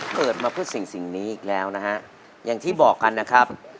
เกิดมาเพื่อสิ่งนี้อีกแล้วนะฮะอย่างที่บอกกันนะครับ